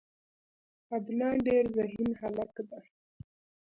عدنان ډیر ذهین هلک ده.